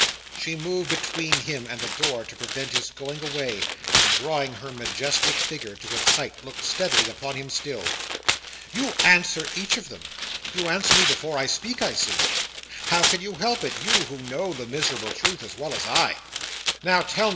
She moved between him and the door to prevent his going away, and drawing her majestic figure to its height, looked steadily upon him still. "You answer each of them. You answer me before I speak, I see. How can you help it; you who know the miserable truth as well as I? Now, tell me.